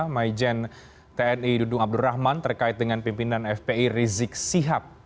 maijen tni dudung abdul rahman terkait dengan pimpinan fpi rizik sihat